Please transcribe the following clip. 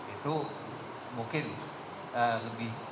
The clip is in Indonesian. itu mungkin lebih